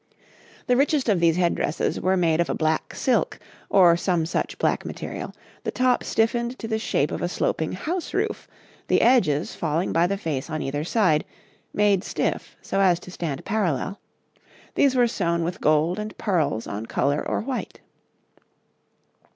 The richest of these head dresses were made of a black silk or some such black material, the top stiffened to the shape of a sloping house roof, the edges falling by the face on either side made stiff, so as to stand parallel these were sewn with gold and pearls on colour or white.